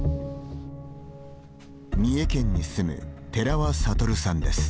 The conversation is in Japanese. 三重県に住む寺輪悟さんです。